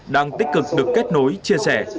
đang tích cực được kết nối chia sẻ